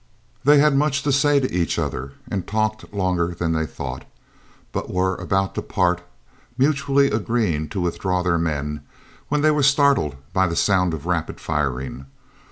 They had much to say to each other, and talked longer than they thought, but were about to part, mutually agreeing to withdraw their men, when they were startled by the sound of rapid firing.